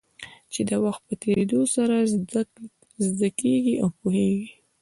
چې د وخت په تېرېدو سره زده کېږي او پوهېږې.